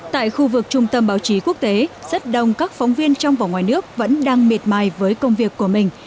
tại khu vực trung tâm báo chí quốc tế rất đông các phóng viên trong và ngoài nước vẫn đang miệt mài với công việc của mình